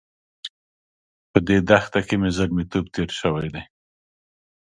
په دې دښته کې مې زلميتوب تېر شوی دی.